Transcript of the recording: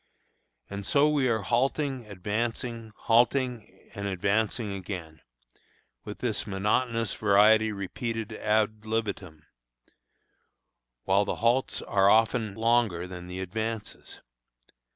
And so we are halting, advancing, halting and advancing again, with this monotonous variety repeated ad libitum, while the halts are often longer than the advances.